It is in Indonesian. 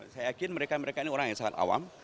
saya yakin mereka mereka ini orang yang sangat awam